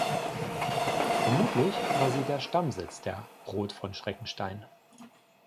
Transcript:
Vermutlich war sie der Stammsitz der "Roth von Schreckenstein".